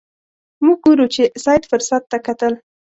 موږ ګورو چې سید فرصت ته کتل.